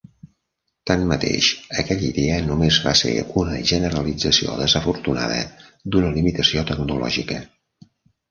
Tanmateix, aquella idea només va ser una generalització desafortunada d'una limitació tecnològica.